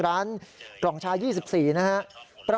ร้านกล่องชา๒๔นะครับ